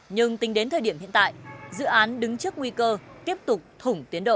nhưng tính đến thời điểm hiện tại dự án đứng trước nguy cơ tiếp tục thủng tiến độ